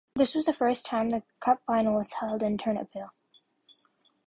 This was the first time the cup final was held in Ternopil.